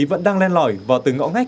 vẫn đang len lõi vào từng ngõ ngách